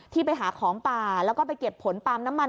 ที่ไปหาของป่าแล้วก็ไปเก็บผลปาล์มน้ำมัน